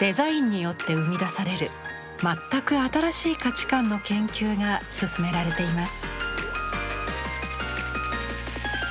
デザインによって生み出される全く新しい価値観の研究が進められています。